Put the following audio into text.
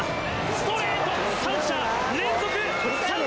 ストレート三者連続三振。